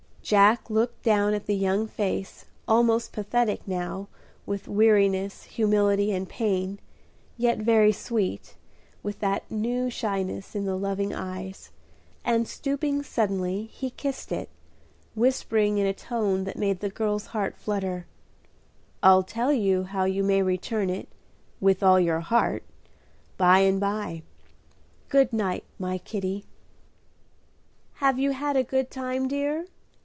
Jack looked down at the young face almost pathetic now with weariness, humility, and pain, yet very sweet, with that new shyness in the loving eyes, and, stooping suddenly, he kissed it, whispering in a tone that made the girl's heart flutter, "I'll tell you how you may return it 'with all your heart,' by and by. Good night, my Kitty." "Have you had a good time, dear?"